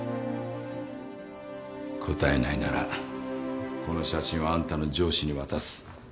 答えないならこの写真をあんたの上司に渡す